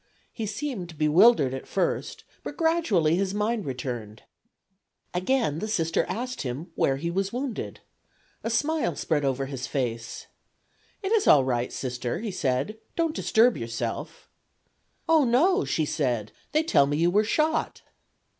He seemed bewildered at first, but gradually his mind returned. Again the Sister asked him where he was wounded. A smile spread over his face. "It is all right, Sister," he said; "don't disturb yourself." "Oh, no," she said, "they tell me you were shot."